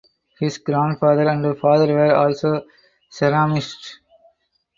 His grandfather and father were also ceramicists.